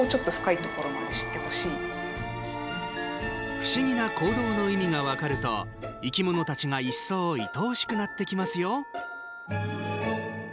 不思議な行動の意味が分かると生き物たちが一層いとおしくなってきますよ。